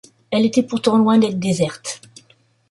Elle était pourtant loin d’être déserte.